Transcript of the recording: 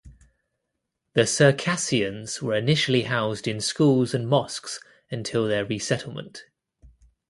The Circassians were initially housed in schools and mosques until their resettlement.